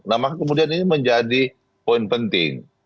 nah maka kemudian ini menjadi poin penting